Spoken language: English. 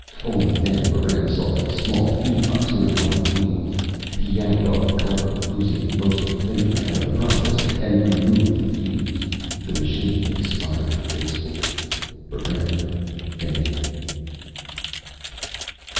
Only then Barrent saw a small fuse box near one of the wheels. He yanked off the cover, losing most of a fingernail in the process, and removed the fuse. The machine expired gracefully. Barrent fainted.